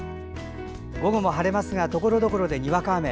午後も晴れますがところどころで、にわか雨。